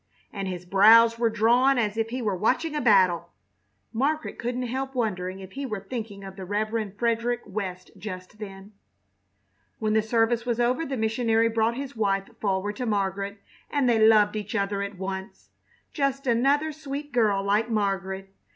and his brows were drawn as if he were watching a battle. Margaret couldn't help wondering if he were thinking of the Rev. Frederick West just then. When the service was over the missionary brought his wife forward to Margaret, and they loved each other at once. Just another sweet girl like Margaret.